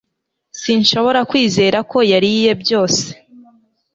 Sinshobora kwizera ko yariye byose